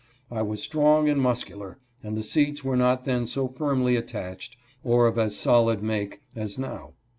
I was strong and muscular, and the seats were not then so firmly attached or of as solid make. as now.